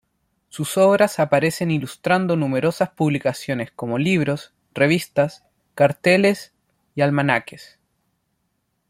Sus obras aparecen ilustrando numerosas publicaciones como libros, revistas, carteles y almanaques.